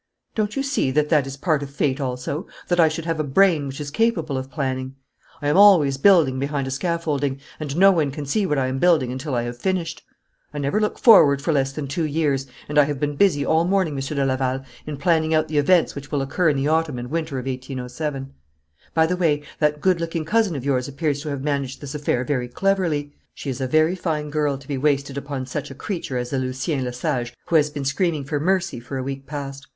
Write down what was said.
Don't you see that that is part of Fate also, that I should have a brain which is capable of planning. I am always building behind a scaffolding, and no one can see what I am building until I have finished. I never look forward for less than two years, and I have been busy all morning, Monsieur de Laval, in planning out the events which will occur in the autumn and winter of 1807. By the way, that good looking cousin of yours appears to have managed this affair very cleverly. She is a very fine girl to be wasted upon such a creature as the Lucien Lesage who has been screaming for mercy for a week past.